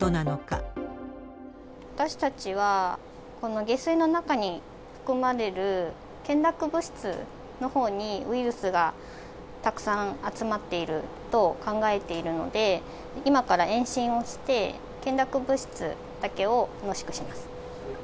私たちは、この下水の中に含まれる懸濁物質のほうに、ウイルスがたくさん集まっていると考えているので、今から遠心をして、懸濁物質だけを濃縮します。